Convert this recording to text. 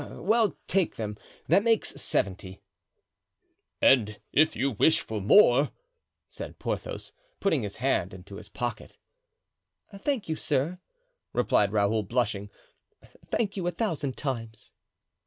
"Well, take them; that makes seventy." "And if you wish for more," said Porthos, putting his hand to his pocket—— "Thank you, sir," replied Raoul, blushing; "thank you a thousand times."